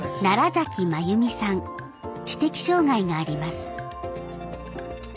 知的障害があります。